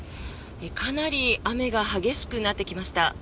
かなり雨が激しくなってきました。